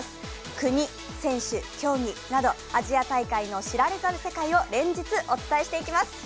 国、選手、競技などアジア大会の知られざる世界を連日お伝えしていきます。